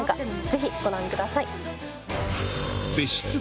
ぜひご覧ください。